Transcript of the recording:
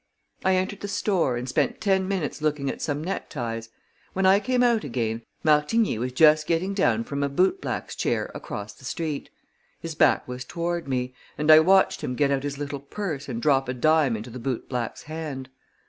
I entered the store, and spent ten minutes looking at some neckties. When I came out again, Martigny was just getting down from a bootblack's chair across the street. His back was toward me, and I watched him get out his little purse and drop a dime into the bootblack's hand.